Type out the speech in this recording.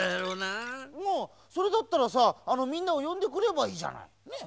あっそれだったらさあのみんなをよんでくればいいじゃないねえ！